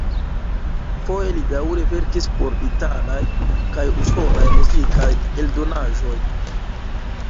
Foje li daŭre verkis por italaj kaj usonaj muzikaj eldonaĵoj.